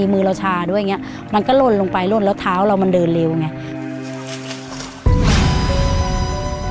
พูดลงไปโรนลงไปแล้วเท้าเรามันเดินเร็วอย่างนี้